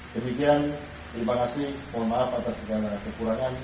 demikian terima kasih mohon maaf atas segala kekurangan